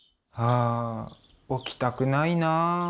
あ起きたくないなあ。